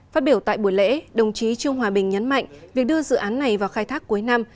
phát biểu tại buổi lễ đồng chí trương hòa bình nhấn mạnh việc đưa dự án này vào khai thác cuối năm